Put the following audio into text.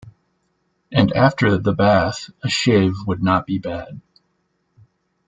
And after the bath a shave would not be bad.